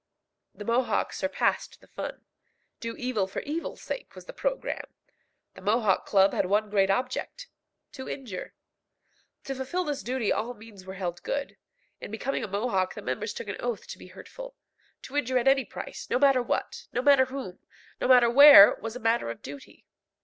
The Mohawk surpassed the Fun. Do evil for evil's sake was the programme. The Mohawk Club had one great object to injure. To fulfil this duty all means were held good. In becoming a Mohawk the members took an oath to be hurtful. To injure at any price, no matter when, no matter whom, no matter where, was a matter of duty.